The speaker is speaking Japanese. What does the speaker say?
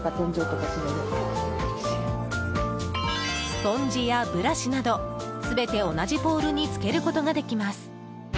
スポンジやブラシなど全て同じポールにつけることができます。